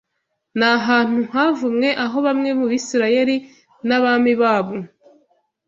Ni ahantu havumwe, aho bamwe mu Bisrayeli, n’abami babo,